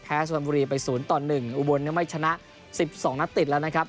แพ้สวรรค์บุรีไป๐ต่อ๑อุบวนไม่ชนะ๑๒นัทตีตแล้วนะครับ